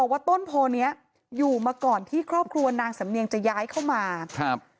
ว่าต้นโพเนี้ยอยู่มาก่อนที่ครอบครัวนางสำเนียงจะย้ายเข้ามาครับ